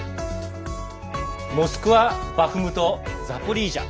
モスクワ、バフムトザポリージャ。